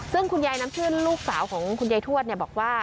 ซึ่งคุณยายน้ำชื่นลูกสาวของคุณยายทวดบอกว่า